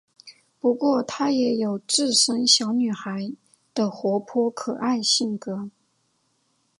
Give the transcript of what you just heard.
不过她也有身为小女孩的活泼可爱性格。